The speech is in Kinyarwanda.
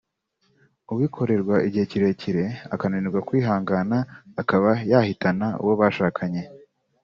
ubikorerwa igihe kirekire akananirwa kwihangana akaba yahitana uwo bashakanye”